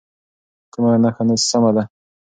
کومه نښه سمه ده؟